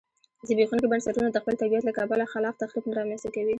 زبېښونکي بنسټونه د خپل طبیعت له کبله خلاق تخریب نه رامنځته کوي